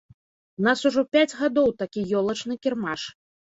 У нас ужо пяць гадоў такі ёлачны кірмаш.